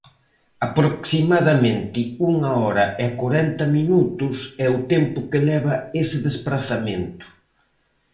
Aproximadamente unha hora e corenta minutos é o tempo que leva ese desprazamento.